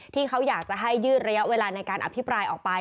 ที่เขาอยากจะให้ยืดระยะเวลาในการอภิปรายออกไป